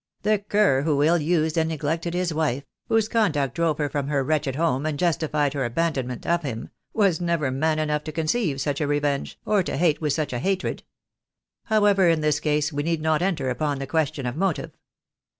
"The cur who ill used and neglected his wife — whose conduct drove her from her wretched home, and justified her abandonment of him — was never man enough to conceive such a revenge, or to hate with such a hatred. However, in this case we need not enter upon the ques tion of motive.